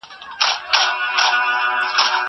هغه وويل چي سپينکۍ مينځل ضروري دي!!